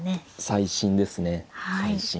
最新ですね最新。